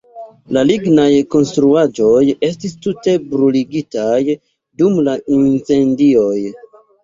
La lignaj konstruaĵoj estis tute bruligitaj dum la incendioj.